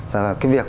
và cái việc